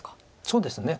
そうですね。